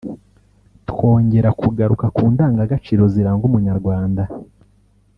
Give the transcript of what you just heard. twongera kugaruka ku ndangagaciro ziranga umunyarwanda